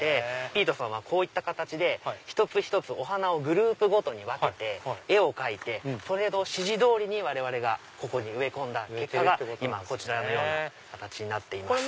ピィトさんはこういった形で一つ一つお花をグループごとに分けて絵を描いてその指示通りに我々がここに植え込んだ結果が今こちらのような形になっています。